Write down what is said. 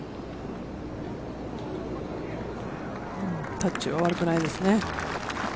タッチは悪くないですね。